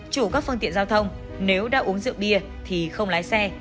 chủ các phương tiện giao thông nếu đã uống rượu bia thì không lái xe